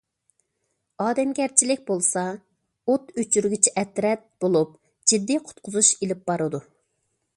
ئادەمگەرچىلىك بولسا« ئوت ئۆچۈرگۈچى ئەترەت» بولۇپ، جىددىي قۇتقۇزۇش ئېلىپ بارىدۇ.